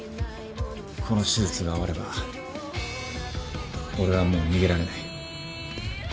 この手術が終われば俺はもう逃げられない。